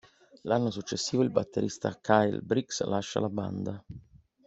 L'anno successivo il batterista Kyle Briggs lascia la band.